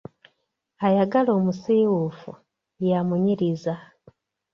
Ayagala omusiiwuufu, yamunyiriza.